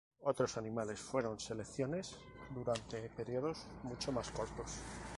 Otros animales fueron selecciones durante periodos mucho más cortos.